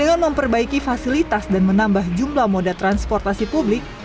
dengan memperbaiki fasilitas dan menambah jumlah moda transportasi publik